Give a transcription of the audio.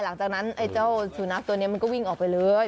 หลังจากนั้นเจ้าสุนัขตัวนี้มันก็วิ่งออกไปเลย